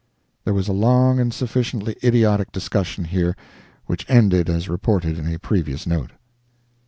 [There was a long and sufficiently idiotic discussion here, which ended as reported in a previous note.